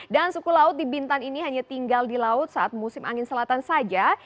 dan suku laut di bintan ini hanya tinggal di laut saat musim angin selatan saja